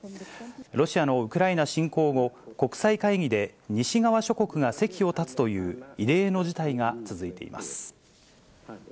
ロシアのウクライナ侵攻後、国際会議で西側諸国が席を立つという異例の事態が続いています。